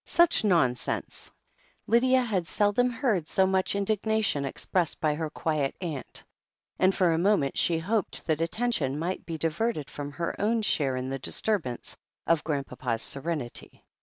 Such nonsense !" Lydia had seldom heard so much indignation ex pressed by her quiet aunt, and for a moment she hoped that attention might be diverted from her own share in the disturbance of Grandpapa's serenity.